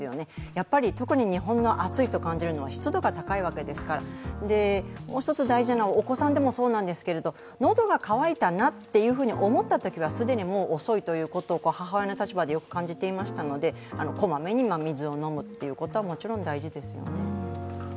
やはり特に日本が暑いと感じるのは湿度が高いわけですからもう一つ、大事なのは、お子さんでもそうなんですけれども、のどが乾いたなと思ったときは既にもう遅いということを母親の立場でよく感じていましたのでこまめに水を飲むことはもちろん大事ですよね。